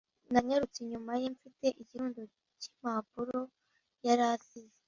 Nanyarutse inyuma ye mfite ikirundo cy'impapuro yari asize.